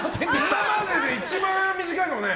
今までで一番短いかもね。